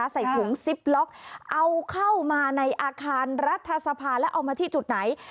ใส่ถุงซิปล็อกเอาเข้ามาในอาคารรัฐสภาแล้วเอามาที่จุดไหน